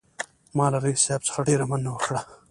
ما له رییس صاحب څخه ډېره مننه وکړه.